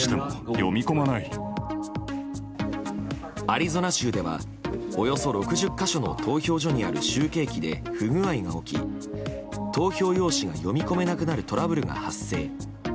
アリゾナ州ではおよそ６０か所の投票所にある集計機で不具合が起き投票用紙が読み込めなくなるトラブルが発生。